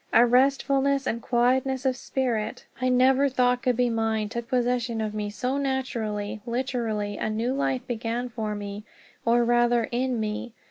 A restfulness and quietness of spirit I never thought could be mine took possession of me so naturally. Literally a new life began for me, or rather in me.